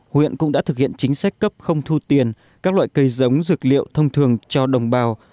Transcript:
huyện cũng đã thực hiện chính sách cấp không thu tiền các loại cây giống dược liệu thông thường cho đồng bào